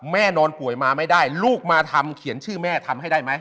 นอนป่วยมาไม่ได้ลูกมาทำเขียนชื่อแม่ทำให้ได้ไหม